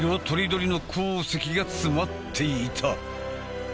とりどりの鉱石が詰まっていた。